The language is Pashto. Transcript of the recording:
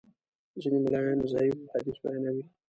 ځینې ملایان ضعیف حدیث بیانوي.